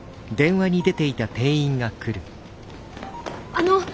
あの！